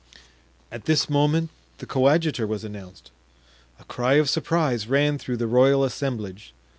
At this moment the coadjutor was announced; a cry of surprise ran through the royal assemblage.